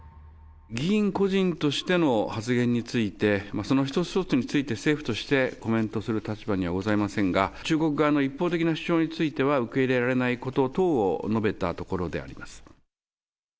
議員個人としての発言について、その一つ一つについて政府としてコメントする立場にはございませんが、中国側の一方的な主張については、受け入れられないこと等を述べたところであります。